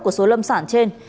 của số lâm sản trên